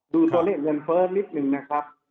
ดูตัวเลขเงินเฟ้อนิดนึงนะครับ